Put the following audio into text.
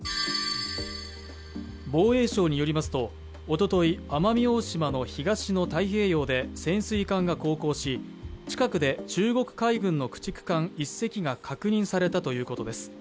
防衛省によりますと、おととい、奄美大島の東の太平洋で潜水艦が航行し、近くで中国海軍の駆逐艦１隻が確認されたということです。